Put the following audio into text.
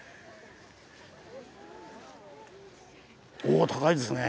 お高いですね。